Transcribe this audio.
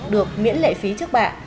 được miễn lệ phí trước bạ